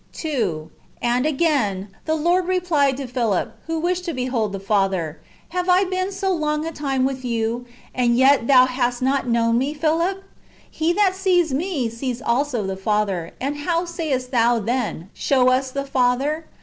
And again, the Lord replied to Philip, who wished to behold the Father, " Plave I been so long a time with you, and yet thou hast not known me, Philip ? He that sees me, sees also the Father ; and how sayest thou then, Show us the Father